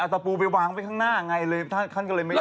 เอาตะปูไปวางไปข้างหน้าไงเลยท่านก็เลยไม่ลองมาบอก